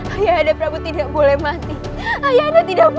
ayah anda tidak boleh meninggalkanku